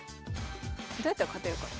どうやったら勝てるかな。